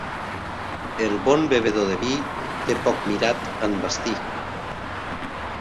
El bon bevedor de vi té poc mirat en vestir.